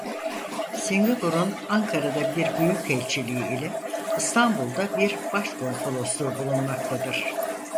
Singapur'un Ankara'da bir büyükelçiliği ile İstanbul'da bir başkonsolosluğu bulunmaktadır.